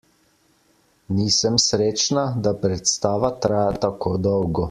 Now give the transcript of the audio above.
Nisem srečna, da predstava traja tako dolgo.